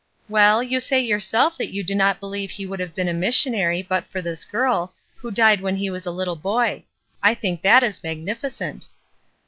''Well, you say yourself that you do not be lieve he would have been a missionary but for this girl, who died when he was a little boy. I think that is magnificent."